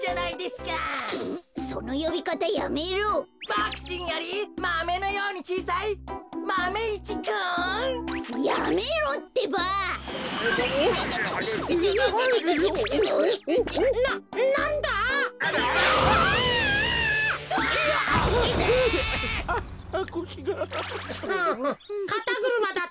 かたぐるまだったのかよ。